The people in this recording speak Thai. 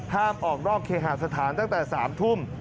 ห้ามออกนอกเคหาสถานตั้งแต่๓ทุ่ม